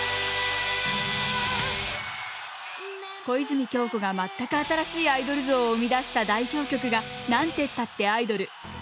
小泉今日子が全く新しいアイドル像を生み出した代表曲が「なんてったってアイドル」。